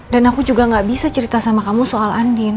dan aku juga nggak bisa cerita sama kamu soal andin